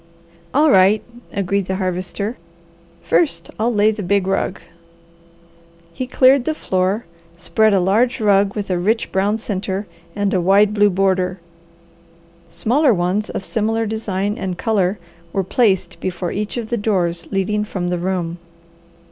"All right!" agreed the Harvester. "First, I'll lay the big rug." He cleared the floor, spread a large rug with a rich brown centre and a wide blue border. Smaller ones of similar design and colour were placed before each of the doors leading from the room.